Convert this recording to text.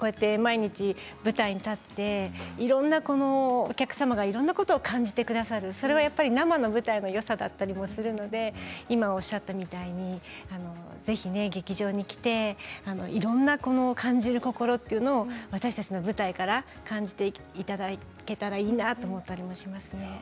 毎日、舞台に立っていろんなお客様が感じてくださるそれは生の舞台のよさだったりもするので今、おっしゃったみたいにぜひ劇場に来ていろんな感じる心というのを私たちの舞台から感じていただけたらいいなと思ったりもしますね。